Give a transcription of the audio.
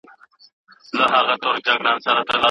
نن بلېږم لکه شمع خپلي ژبي ته کفن یم